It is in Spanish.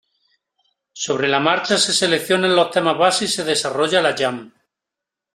Sobre la marcha se seleccionan los temas base y se desarrolla la "jam".